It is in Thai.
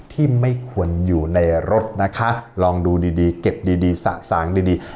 ที่ไม่ควรอยู่ในรถนะคะลองดูดีดีเก็บดีดีสะสางดี